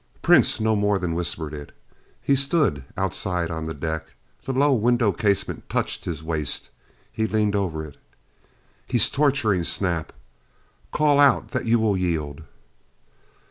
Prince no more than whispered it. He stood outside on the deck; the low window casement touched his waist. He leaned over it. "He's torturing Snap! Call out that you will yield."